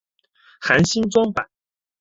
含新装版。